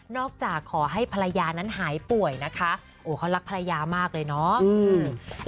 จากขอให้ภรรยานั้นหายป่วยนะคะโอ้เขารักภรรยามากเลยเนาะ